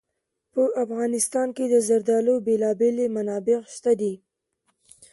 په افغانستان کې د زردالو بېلابېلې منابع شته دي.